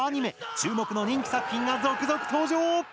注目の人気作品が続々登場。